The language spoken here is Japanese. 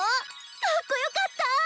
かっこよかったぁ！